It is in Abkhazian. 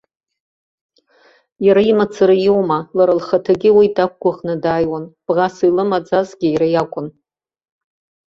Иара имацара иоума, лара лхаҭагьы уи дақәгәыӷны дааиуан, бӷас илымаӡазгьы иара акәын.